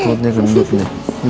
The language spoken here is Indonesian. perutnya ngedut nih